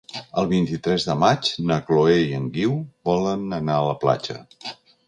El vint-i-tres de maig na Chloé i en Guiu volen anar a la platja.